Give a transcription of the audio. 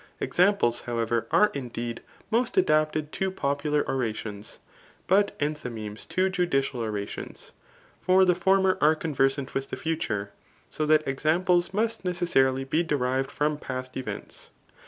Examples, however, are indeed most adapted to popular orations ; but enthymemes to judicial orations. For the former are conversant with the future ; so that examples must necessarily be derived from past events.